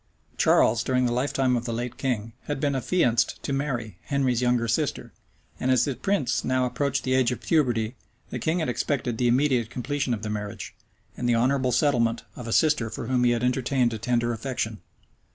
Charles, during the lifetime of the late king, had been affianced to Mary, Henry's younger sister; and as the prince now approached the age of puberty, the king had expected the immediate completion of the marriage, and the honorable settlement of a sister for whom he had entertained a tender affection.